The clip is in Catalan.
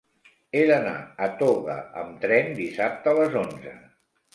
He d'anar a Toga amb tren dissabte a les onze.